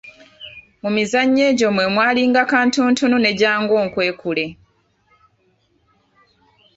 Mu mizannyo egyo mwe mwalinga kantuntunu ne jangu onkwekule.